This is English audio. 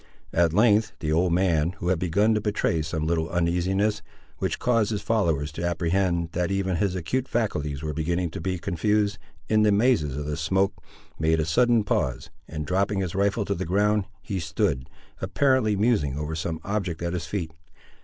At length the old man, who had begun to betray some little uneasiness, which caused his followers to apprehend that even his acute faculties were beginning to be confused, in the mazes of the smoke, made a sudden pause, and dropping his rifle to the ground, he stood, apparently musing over some object at his feet.